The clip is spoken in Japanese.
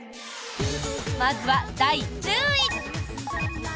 まずは第１０位。